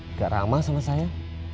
nggak ramah sama saya